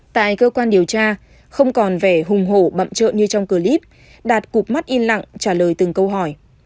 tại cơ quan điều tra không còn vẻ hùng hổ bậm trợn như trong clip đạt cụm mắt in lặng trả lời từng câu hỏi